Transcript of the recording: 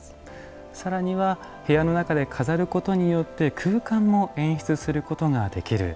さらには部屋の中で飾ることによって空間も演出することができる。